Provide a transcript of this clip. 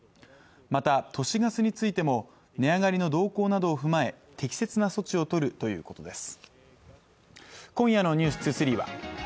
また都市ガスについても値上がりの動向などを踏まえ適切な措置を取るということです